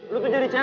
lo tuh jadi cah